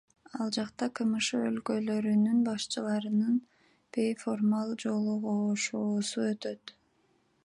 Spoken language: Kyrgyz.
Ал жакта КМШ өлкөлөрүнүн башчыларынын бейформал жолугушуусу өтөт.